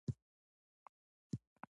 دوی بیل او کلنګ او چاقو جوړ کړل.